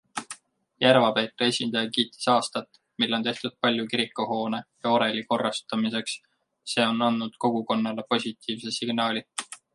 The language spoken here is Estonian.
Järva-Peetri esindaja kiitis aastat, mil on tehtud palju kirikuhoone ja oreli korrastamiseks, see on andnud kogukonnale positiivse signaali.